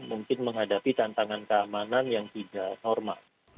mungkin menghadapi tantangan keamanan yang tidak normal